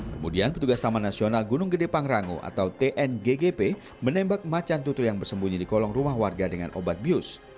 kemudian petugas taman nasional gunung gede pangrango atau tnggp menembak macan tutul yang bersembunyi di kolong rumah warga dengan obat bius